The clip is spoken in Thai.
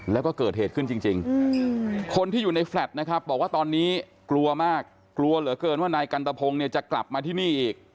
แล้วก็เกิดเหตุขึ้นจริงคนที่อยู่ในแฟลตนะครับบอกว่าตอนนี้กลัวมากกลัวเหลือเกินว่านายกันตะพงเนี่ยจะกลับมาที่นี่อีก